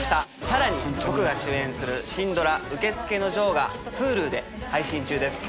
さらに僕が主演するシンドラ『受付のジョー』がＨｕｌｕで配信中です。